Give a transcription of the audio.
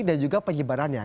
dan juga penyebarannya